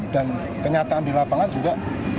dan kenyataan di lapangan juga